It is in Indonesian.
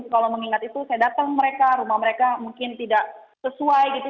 kalau mengingat itu saya datang mereka rumah mereka mungkin tidak sesuai gitu